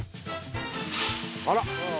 あら？